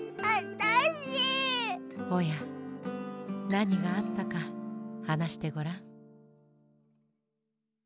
おやなにがあったかはなしてごらん。